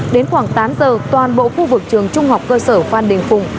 đến khoảng tám giờ toàn bộ khu vực trường trung học cơ sở phan đình phùng